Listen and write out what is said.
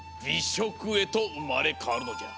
しょくへとうまれかわるのじゃ。